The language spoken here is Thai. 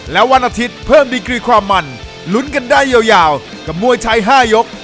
และวันอาทิตย์เพิ่มดีกรีความมันลุ้นกันได้ยาวกับมวยไทย๕ยก